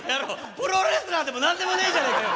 プロレスラーでも何でもねえじゃねえかよ